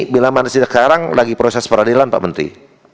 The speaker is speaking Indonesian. bila mana sekarang lagi proses peradilan pak menteri